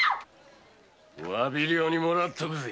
詫び料にもらっとくぜ。